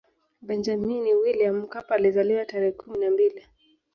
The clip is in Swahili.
benjamini william mkapa alizaliwa tarehe kumi na mbili